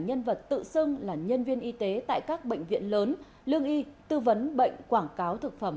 nhân vật tự xưng là nhân viên y tế tại các bệnh viện lớn lương y tư vấn bệnh quảng cáo thực phẩm